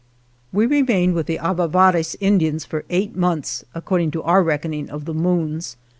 We remained with the Avavares Indians for eight months, according to our reckon ing of the moons.